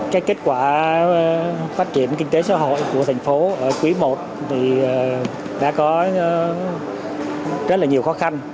cái kết quả phát triển kinh tế xã hội của thành phố ở quý i thì đã có rất là nhiều khó khăn